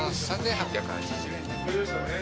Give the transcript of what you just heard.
３，８８０円。